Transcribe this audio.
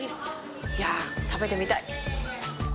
いやぁ、食べてみたい！